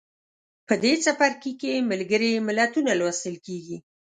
په دې څپرکي کې ملګري ملتونه لوستل کیږي.